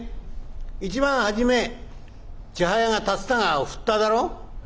一番初め千早が竜田川を振っただろ？」。